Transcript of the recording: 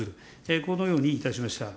このようにいたしました。